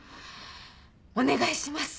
お願いします！